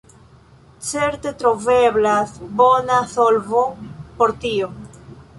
Certe troveblas bona solvo por tio.